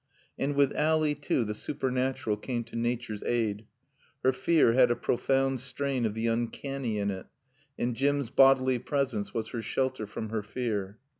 And with Ally, too, the supernatural came to Nature's aid. Her fear had a profound strain of the uncanny in it, and Jim's bodily presence was her shelter from her fear.